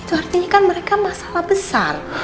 itu artinya kan mereka masalah besar